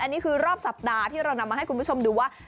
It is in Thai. อันนี้คือรอบสัปดาห์ที่เรานำมาให้คุณผู้ชมดูว่า